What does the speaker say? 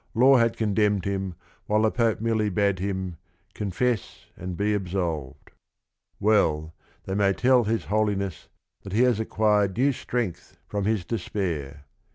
Law had condemned him while the Pope merely bade him, "Confess and be absolved." Well, they may tell "his Holi ness, that he has acquired new strength from his despair."